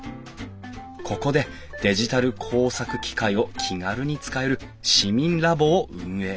ここでデジタル工作機械を気軽に使える市民ラボを運営。